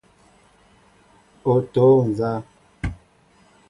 O toóŋ nzá ?